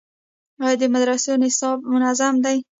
آیا د مدرسو نصاب منظم دی؟